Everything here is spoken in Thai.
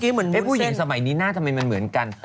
เหมือนสุดคนภูยิงสมัยนี้หน้าทำไมเหมือนกัน